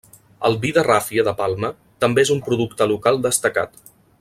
El vi de ràfia de palma també és un producte local destacat.